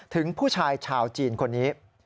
ถึงผู้ชายชาวจีนคนนี้